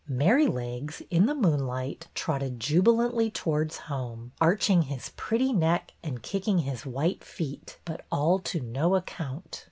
Merry legs, in the moonlight, trotted jubilantly towards home, arching his pretty neck, and kicking his white feet, but all to no account.